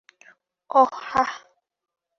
ওহ, হাহ?